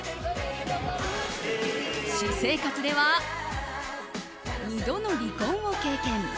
私生活では２度の離婚を経験。